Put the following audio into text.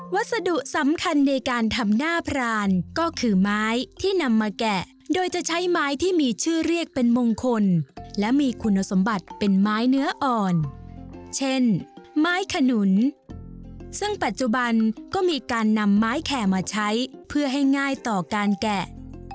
วัสดุสำคัญในการทำหน้าพรานก็คือไม้ที่นำมาแกะโดยจะใช้ไม้ที่มีชื่อเรียกเป็นมงคลและมีคุณสมบัติเป็นไม้เนื้ออ่อนเช่นไม้ขนุนซึ่งปัจจุบันก็มีการนำไม้แข่มาใช้เพื่อให้ง่ายต่อการแกะ